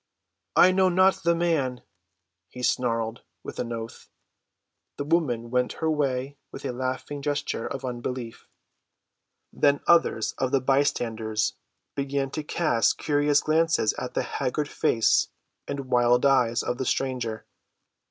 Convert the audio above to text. "I know not the man," he snarled with an oath. The woman went her way with a laughing gesture of unbelief. Then others of the bystanders began to cast curious glances at the haggard face and wild eyes of the stranger.